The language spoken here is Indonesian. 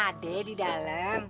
ada di dalam